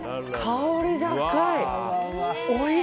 香り高い！